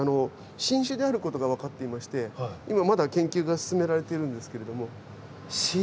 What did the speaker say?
新種であることが分かっていまして今まだ研究が進められているんですけれども。